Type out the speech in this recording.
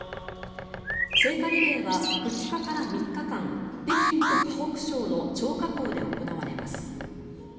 聖火リレーは２日から３日間北京と河北省の張家口で行われます。